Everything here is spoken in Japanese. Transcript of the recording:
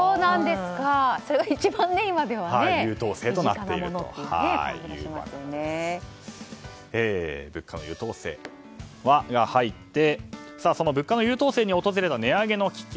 それが一番、今では身近なものっていう物価の優等生、「ワ」が入ってその物価の優等生に訪れた値上げの危機。